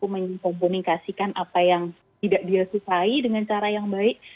menkomunikasikan apa yang tidak dia susahi dengan cara yang baik